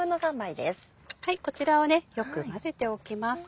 こちらをよく混ぜておきます。